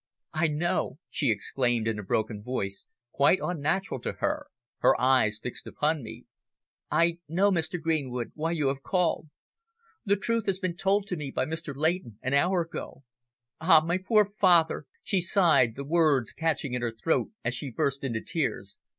"I know!" she exclaimed in a broken voice, quite unnatural to her, her eyes fixed upon me, "I know, Mr. Greenwood, why you have called. The truth has been told to me by Mr. Leighton an hour ago. Ah! my poor dear father!" she sighed, the words catching in her throat as she burst into tears.